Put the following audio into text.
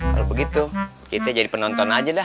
kalau begitu kita jadi penonton aja dah